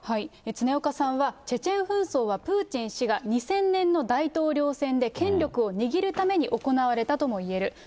常岡さんは、チェチェン紛争はプーチン氏が２０００年の大統領選で権力を握るために行われたともいえる。